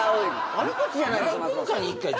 悪口じゃない。